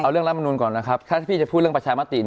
ดูลำนุนภัยก่อนนะครับถ้าพี่จะพูดเรื่องประชามติ